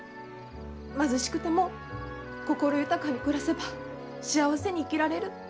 貧しくても心豊かに暮らせば幸せに生きられる。